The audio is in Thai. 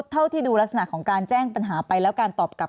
เท่าที่ดูลักษณะของการแจ้งปัญหาไปแล้วการตอบกลับ